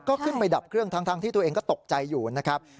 ก็ขึ้นไปดับเครื่องทั้งที่ตัวเองก็ตกใจอยู่นะครับ